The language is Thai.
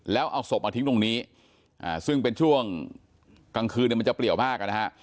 แล้วเอาศพมาทิ้งตรงนี้ซึ่งเป็นช่วงกลางคืนเนี่ยมันจะเปลี่ยวมากนะฮะ